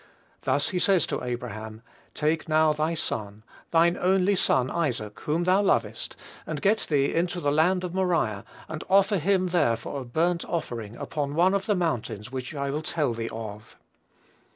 Thus he says to Abraham, "Take now thy son, thine only son Isaac, whom thou lovest, and get thee into the land of Moriah, and offer him there for a burnt offering, upon one of the mountains which I will tell thee of."